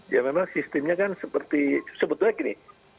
ya memang sistemnya kan seperti sebetulnya gini